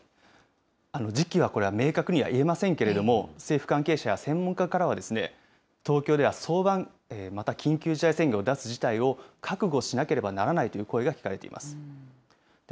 時期はこれ、明確には言えませんけれども、政府関係者や専門家からは、東京では早晩、また緊急事態宣言を出す事態を覚悟しなければならないという声が聞かれています。